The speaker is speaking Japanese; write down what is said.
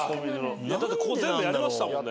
だってここ全部やりましたもんね。